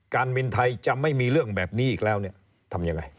การบินไทยจะไม่มีเรื่องแบบนี้อีกแล้วเนี่ยทำยังไง